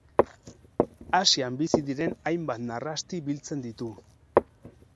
Asian bizi diren hainbat narrasti biltzen ditu.